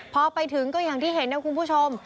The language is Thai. พอไปถึงก็อย่างที่เห็นนะคุณผู้ชม